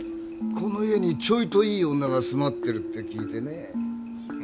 この家にちょいといい女が住まってるって聞いてね。